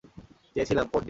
চেয়েছিলাম, পোন্নি।